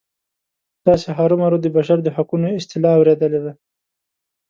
تاسې هرومرو د بشر د حقونو اصطلاح اوریدلې ده.